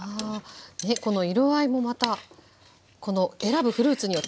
ねこの色合いもまたこの選ぶフルーツによって変わって。